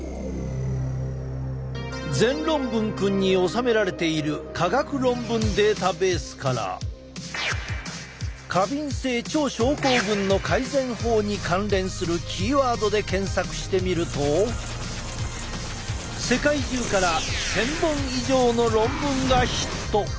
全論文くんに収められている科学論文データベースから過敏性腸症候群の改善法に関連するキーワードで検索してみると世界中からそんなあるんだ！